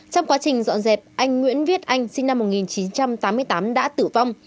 trong quá trình dọn dẹp anh nguyễn viết anh sinh năm một nghìn chín trăm tám mươi tám đã tử vong